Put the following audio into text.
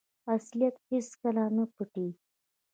اصلیت هیڅکله نه پټیږي.